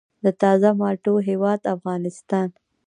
د تازه مالټو هیواد افغانستان.